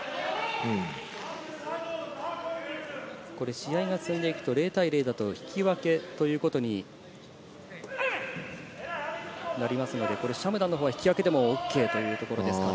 試合が進んでいくと、０対０だと引き分けということになりますので、シャムダンのほうは引き分けでもＯＫというところですから。